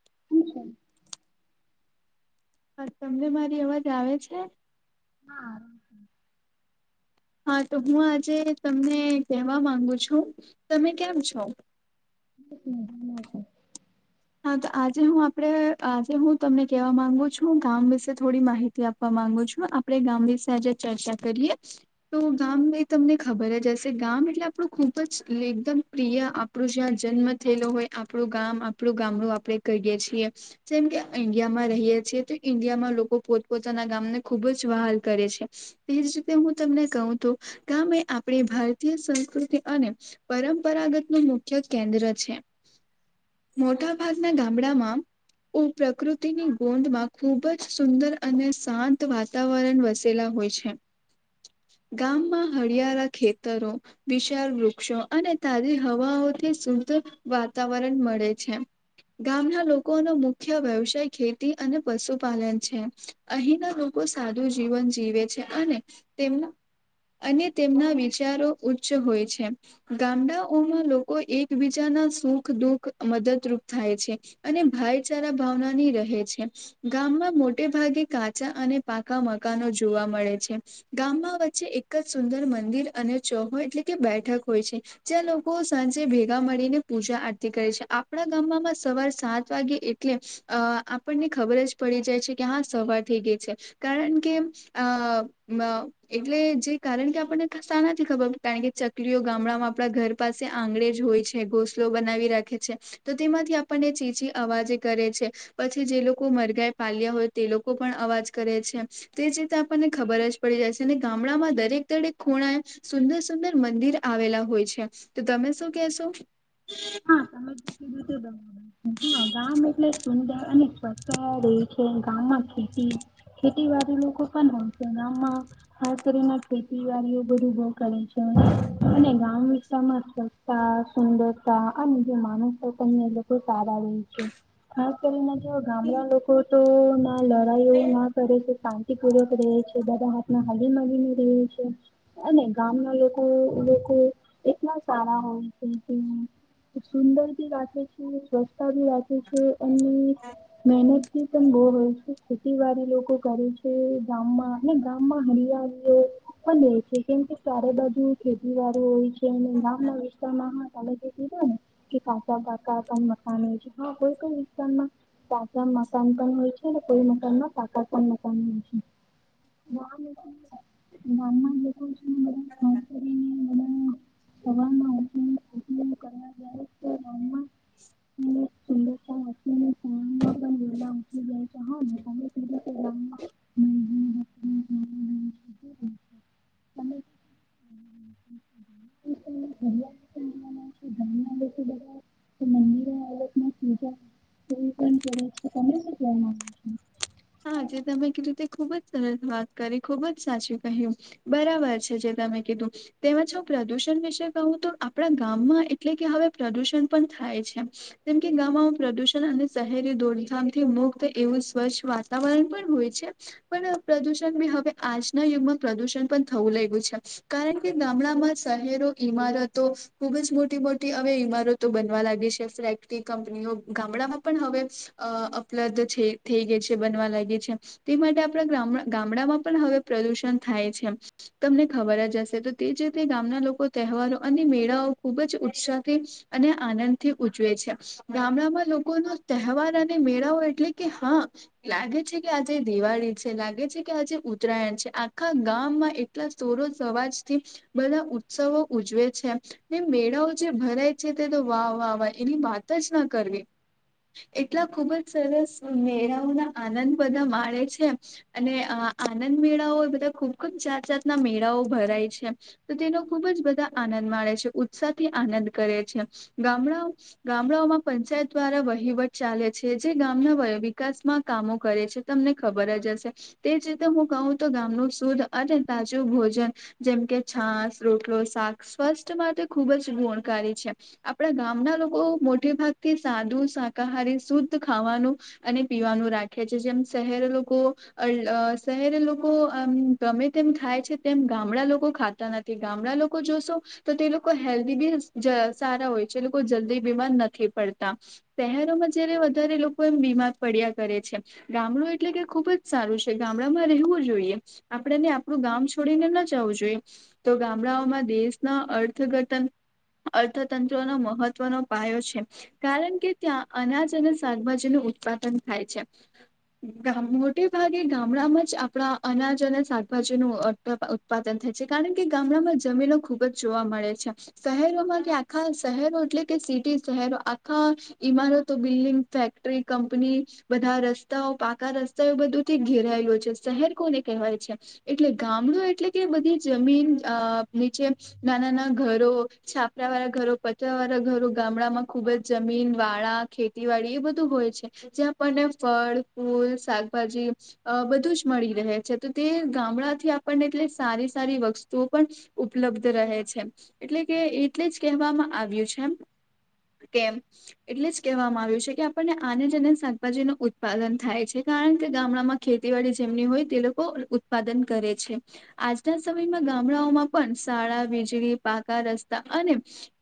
[inaudible] હા તમને મારી અવાજ આવે છે? હા. હા તો હું આજે તમને કહેવા માંગુ છું તમે કેમ છો? [inaudible] હા તો આજે હું આપડે આજે હું તમને કેવા માંગુ છું કામ વિશે થોડી માહિતી આપવા માંગુ છું આપણે ગામ વિશે આજે ચર્ચા કરીએ તો ગામ તમને ખબર જ હશે ગામ એટલે આપણું ખૂબ જ એકદમ પ્રિય આપણું જ્યાં જન્મ થયેલો હોય આપણું ગામ આપડું ગામડું આપણે કહીએ છીએ જેમ કે ઈન્ડિયા માં રહીએ છીએ તો ઈન્ડિયામાં લોકો પોતપોતાના ગામને ખુબ જ વહાલ કરે છે તેજ રીતે હું તમને કહુંતો ગામ એ આપણી ભાર ભારતીય સંસ્કૃતિ અને પરંપરાગત નું મુખ્ય કેન્દ્ર છે. મોટા ભાગના ગામડામાં. ઓ પ્રકૃતિની ગોદ માં ખુબ જ સુંદર અને શાંત વાતાવરણ વસેલા હોય છે. ગામમાં હળિયાળા ખેતરો વિશાળ વૃક્ષો અને તાજી હવાઓથી વાતાવરણ મળે છે. ગામના લોકોનો મુખ્ય વ્યવસાય ખેતી અને પશુપાલન છે, અહીંના લોકો સાદું જીવન જીવે છે અને તેમના અને તેમના વિચારો ઉચ્ચ હોય છે ગામડાઓમાં લોકો એકબીજા ના સુખ દુઃખ મદદરૂપ થાય છે અને ભાઈચારા ભાવનાની રહે છે, ગામમાં મોટે ભાગે કે કાચા અને પાકા મકાનો જોવા મળે છે ગામમાં વચ્ચે એક જ સુંદર મંદિર અને ચૌહો એટલે કે બેઠક હોય છે જ્યાં લોકો સાંજે ભેગા મળીને પૂજા આરતી કરે છે. આપણા ગામમાં સવાર સાત વાગે એટલે આપણને ખબર જ પડી જાય છે કે હા થઈ ગઈ છે કારણ કે એટલે જે કારણ કે આપણને ખબર કારણ કે ચકલીઓ ગામડામાં આપડા ઘર પાસે આંગણેે જ હોય છે ઘોસલો બનાવી રાખે છે. તો તેમાંથી આપણને ચીચી અવાજે કરે છે પછી જે લોકો મરઘાં પાલ્યા હોય તે લોકો પણ અવાજ કરે છે તે જ રીતે આપણને ખબર જ પડી જાય છે અને ગામડામાં દરેક દરેક ખૂણા સુંદર સુંદર મંદિર આવેલા હોય છે, તો તમે શું કેશો? હા તમે જે [inaudible] હા ગામ એટલે સુંદર અને [unintelligible] રહેે છે ગામમાં ખેતી ખેતીવાડી લોકો પણ હોયશે ગામમાં ખાસ કરીને ખેતીવાડીઓ બધું છે અને ગામ વિસ્તાર માં સ્વચ્છતા સુંદરતા આ જે માનસતા પણને એ લોકો સારા રહે છે ખાસ કરીને ગામડા લોકો તો ના લડાઈઓ ના કરે છે શાંતિ પૂર્વક છે બધા હાથમાં હાલી માગને રહે છે અને ગામના લોકો લોકો એકદમ સારા હોય છે. સુંદર ભી રાખે છે, સ્વસ્છતા ભી રાખે છે. પણ મહેનતથી પણ બહું હોય ખેતીવાડી લોકો કરે છે ગામમાં અને ગામમાં હરિયાળીઓ પણ રહે છે. કેમ કે ચારે બાજુ ખેતીવાડી હોય છે ગામ ના વિસ્તાર ના હોય [unintelligible] કે કચા પાકા પણ મકાન હોય છે હા કોઈ પણ વિસ્તારમાં કાચા મકાન પણ હોય છે. કોઈ મકાન પાકા પણ મકાન હોય છે. ગામનાં લોકો છે ને. [inaudible] સવાર [unintelligible] એટલે સુંદરતા વાંચીને સવારમાં પણ વહેલા ઉઠી જાય છે [inaudible] હા ને તમે કીધું કે ગામમાં મહેમાન હસીને [inaudible] ગામમાં [inaudible] [inaudible] ગામનાં લોકો બધા મંદિરો આવે પૂજાં એ પણ કરે છે, તમે શું કેવા માગો છો? હા જે તમે કીધું તે ખુબ જ સરસ વાત કરી ખુબ જ સાચું કહ્યું બરાબર છે. જે ત કીધું તેમાં હું પ્રદુષણ વિશે કહું તો આપણા ગામમાં એટલે કે હવે પ્રદુષણ પણ થાય છે જેમ કે ગામમાં પ્રદુષણ અને શહેરી દોડધામથી મુક્ત એવું સ્વચ્છ વા. વાતાવરણ પણ હોય છે પણ પ્રદુષણ હવે આજના યુગમાં પ્રદુષણ પણ થવું લ્યું છે કારણ કે ગામડામાં શહેરો ઈમારતો ખુબજ મોટી મોટી હવે ઈમારતો બનવા લાગ ફેક્ટરી, કંપનીઓ ગામડામાં પણ હવે ઉપલબ્ધ થઈ ગઈ છે. બવા લાગી છે, તે માટે આપણા ગામડામાં પણ હવે પ્રદુષણ થાય છે. તમને ખબર જ હશે તો તે જ રીતે ગામના લોકો તહેવારો અને મેળાઓ ખુબ જ ઉત્સાહથી અને આનંદથી ઉજવે છે. ગામડામાં લોકો ન તહેવાર અને મેળાઓ એટલે કે હા લાગે છે કે આજે દિવાળી છે, લાગે છે કે આજે ઉત્તરાયણ છે, આખા ગામમાં એટલા સ્ત સવાજ થી બધા ઉત્સવો ઉજવે છે, મેળાઓ જે ભરાય છે તે તો વા વા વા એની વાત જ ના કરવી એટલા ખુબ જ સરસ મેળઓના આનંદ બધા માળે છે, અને આનંદ મેળાઓ બધા ખુબ ખબ જાત જાતના મેળાઓ ભરાય છે તો તેનો ખુબ જ બધા આનંદ માે છે, ઉત્સાહ થી આનંદ કરે છે. હમણાં ગામડાઓમાં પંચાયત દ્વારા વહીવટ ચાલે છે, જે ગામના વિકાસમાં કામો કરે છે તમને ખબર જ હશે તેજ રીતે હું કહ તો ગામનું શુદ્ અને તાજું ભૂ ભોજન જેમ કે છાશ, રોટલો શાક, સ્વસ્ માટે ખૂબ જ ગુણકારી છે. આપ ગામના લોકો મોટે ભાગ થી સાદુ શાકાહારી શુદ્ધ ખાવાનું અને પીવાનું રાખે રાખે છે. જેમ શહેર લોકો શહેરે લોકો ગમે તેમ ખાય છે. તેમ ગામડા લોકો ખાતા નથી ગામડા લોકો જોશો તો તે લોકો હેલ્ધી બી સારા હોય છે. લોકો જલ્દી બીમાર નથી પડતા શહેરોમાં જયારે વધારે લોકો એમ બીમાર પડ્યા કરે ગામડ એટલે કે ખુબ જ સારું છે. ગામડામાં રહેવું જોઈએ આપણેને આપણું ગામ છોડીને જવું જોઈએ તો ગામડાઓમાં દેશના અર્થઘટન અર્થતંત્ર ન મહત્વનો પાયો છે, કારણ કે ત્યાં અનાજ અને શાકભાજીનું ઉત્પાદન થાય છે. મોટે ભાગે ગામડામાં જ આપણા અનાજ અને શાકભાજી નું ઉત્પાદન થાય. કારણ કે ગામડામાં જમીનો ખુબ જ જોવા મળે છે શહેરોમાં કે આખા શહેરો એટલે કે સિટી શહેરો આખા ઈમારતો, બિલ્ડિંગ, ફેક્ટરી, કંપની બધા રસ્તાઓ પાકા રસ્તાઓ બધુંથી ઘેરાયે છે શહેર કોને કહેવાય છે. એટલે ગામ એટલે કે બધી જમીન નીચે નાના નાના ઘરો, છાપરા વાળા ઘરો. વાળા ઘરો, ગામડામાં ખુબ જ જમીન, વાળા, ખેતીવાડી એ બધું હોય છે. જ્યાં આપણને ફળ, ફૂલ, શાકભાજી બધું જ મળી રહે છે તો તે ગામડા થી ને એ સારી સારી વસ્તુઓ પણ ઉપલબ્ધ રહે છે, એટલે કે એટલે જ કહેવામાં કે એટલે જ કહેવામાં આવ્યું છે, કે આપને આને જને શાકાજી નું ઉત્પાદન થાય છે, કારણ કે ગામડામાં ખેતીવાડી જેમની હોય તે લોકો ઉત્પાદન કરે છે. આજના સમયમાં ગામડાઓમાં પણ શાળા, વીજળી, પાકા રસ્તા અને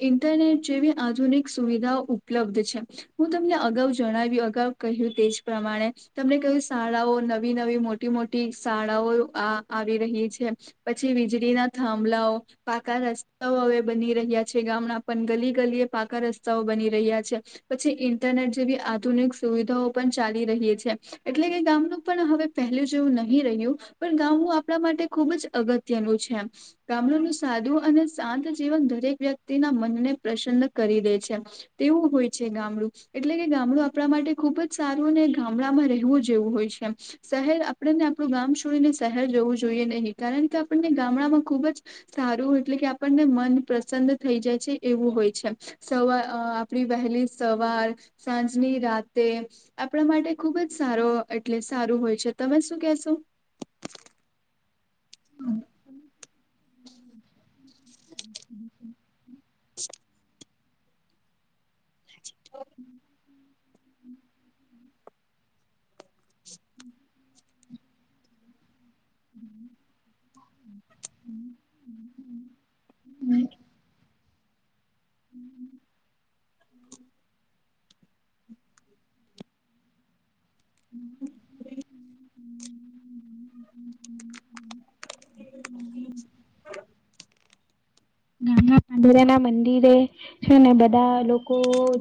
ઇન્ટરનેટ જેવી આધુનિક સુવિધાઓ ઉપલબ્ધ છે. હું તમને અગાઉ જણાવી અગાઉ કહ્યું તેજ પ્રમાણે તમને કયું શાળાઓ નવી નવી મોટી મોટી શાળાઓ આ આવી રહી છે, પછી વીજળી ના થાંભલાઓ, પાકા રસ્તાઓ હવે બની રહ્યા છે. ગ ગલી ગલીએ પાકા રસ્તાઓ બની રહ્યા છે. પછી ઇન્ટરનેટ જેવી આધુનિક સુવિધાઓ પણ ચાલી રહી છે, એટલે કે ગામનું પણ હવે પહેલું જેવું નહી રહ્યું. પણ ગામ આપણા માટે ખુબ જ અગત્યનું છે ગામડનું સાદું અને શાંત જીવન દરેક વ્યક્તિ તેના મનને પ્રસન્ન કરી દે છે, તેવું હોય છે. ગામડું એટલે કે ગામડું આપણા માટે ખુબ જ સારું ને ગામડામાં રહેવું જેવું હોય છે. શહેર આપણેને આપણું ગામ છોડીને શહેર જોઈ નહી કારણ કે આપણને ગામડામાં ખૂબ જ સારું એટલે કે આપણને મન પ્રસન્ન થઈ જાય છે, એવું હોય છે. સવાર આપણી વહેલી સવાર સાંજની રાત તે આપણા માટે ખુબ જ સારો એટલે સારું હોય છે. તમે શું કેશો? હા [unintelligible] [unintelligible] હમ [inaudible] [unintelligible] પાંદુરા ના મંદ. છેને ને બધા લોકો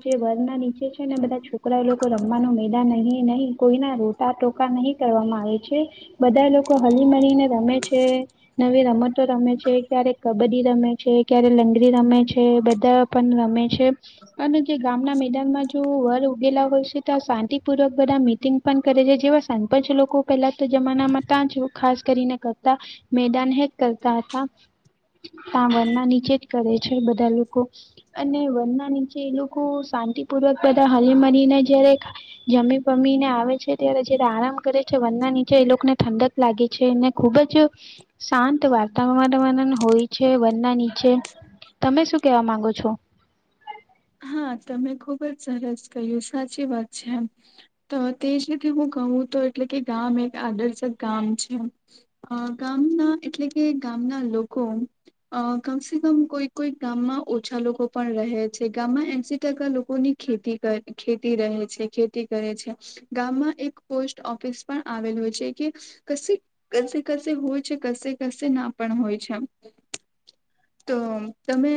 જે વર્ગ ના નીચે છે ને બધા છોકરાઓ લોકો રમવા ની.. નહી નહી કોઈના રોટા ટોકા નહી કરવામાં આવે છે. બધાએ લોકો હલી મીને રમે છે નવી રમતો રમે છે. ક્યારે કબડ્ડી રમે ક્યારે લંગરી રમે છે બધા પણ રમે છે અને જે ગામના મેદાનમાં જો વર ઉગેલા હોય છે તો આ શાંતિપૂર્વક બધા મિટિંગ પણ કરે છે જેવા સરપંચ લોકો પેલા તો જમાનામાં ત્યા છ ખાસ કરીને કરતા મેદાન હેક કરતા હતા [inaudible] ત્યા વનના નીચે જ કરે છે બધા લોકો અને વનના નીચે એ લોકો શાંતિપૂર્વક બધા હરી મરીને જયારે જમ એ લોકોને ઠંડક લાગે છે અનેને ખુબ જ શાંત વાતાવરણ હોય છે વનના નીચે તમે શું કેવા માંગો છો હા તમે ખુબ જ સરસ કહ્યું સાચી વાત છે એમ તો તે જ રે કેવું કહું તો એટલે કે ગામ એક આદર્શક ગામ છે ગામના એટલે કે ગામના લોકો કમસે કમ કોઈ કોઈ ગામમાં ઓછા લોકો પણ રહે છે. ગામમાં એસી ટકા લોકોની ખેતી ખેતી રહે છે ખેતી કરે છે ગામમાં એક પોસ્ટ ઓફિસ પણ આવેલું છે કે કશે કશે કશે હોય છે ક કશે હોય છે તો તમે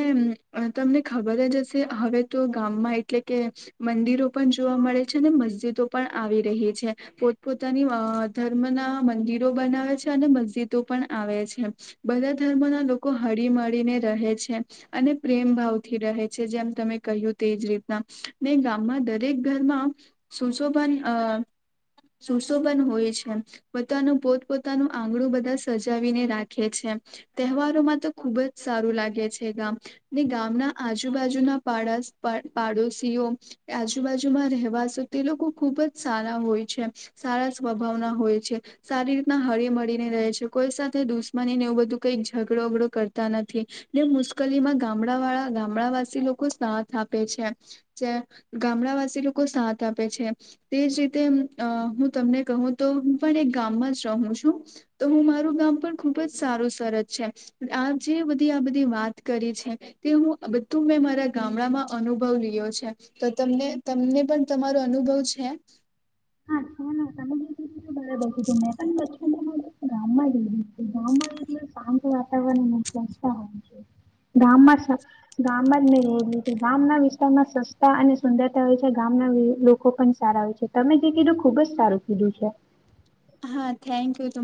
તમને ખબર જ હવે તો ગામમાં એટલે કે મંદિરો પણ જોવા મળે છે ને મસ્જિદો પણ આવી રહી પોત પોતાની ધર્મ ના મંદિરો. બધા ધર્મો ના લોકો હળી મળીને રહે છે અને પ્રેમ ભાવથી રહે છે જ્યાં હમ સુસો પણન હોય છે પોતાનું પોત પોોતાનું આંગણું બધા સજાવીને રાખે છે તહેવારોમાં તો ખુબ જ સારું લાગે છે ગામ ને ગામના આજુ આજુબાજુના પાડોશીઓ આજુબાજુમાં રહેવાસો તે લોકો ખુબ જ સારા હોય છે સારા સ્વભાવના હોય છે સારી રીતના હળી મળળીને રહે છે કોઈ સાથે દુશ્ની ને એવું બધું કઈક ઝઘડોગડો કરતા નથી ને મુશ્કેલીમાં ગામડા વાળા ગામડાવાસી લોકો સાથ આપે છે જે ગામડાવાસી લોકો સાથ આપે છે તે જ રીતે હું તમને કહું તો પણ એક ગામમાં જ રહું છું તો હું મારું ગામ આ પણ ખુબ જ સારું સરત છે આ જે બધી આ બધી વાત કરી છે તે હું બધું મેં મારા ગામડામાં અનુભવ લી્યો છે તો તમને તમને પણ તમારો અનુભવ છે છે હા [unintelligible] ગામ રહી તી [inaudible] આમ તોું વાતાવરણ સંસ્થ હોય છે ગામમાં ગામમાં જ મે રહેલી હતી ગામના વિસ્તારમાં સસ્તા અને સુંદરતા હોય છે ગામ લોકો પણ સારા હોય છે તમે જે કીધું ખુબ જ સારું કીધું છે હા થેન્કયુ,